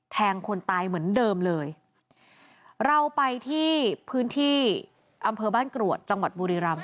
คนตายเหมือนเดิมเลยเราไปที่พื้นที่อำเภอบ้านกรวดจังหวัดบุรีรำ